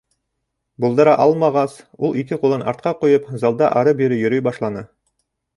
Булдыра алмағас, ул ике ҡулын артҡа ҡуйып, залда ары-бире йөрөй башланы.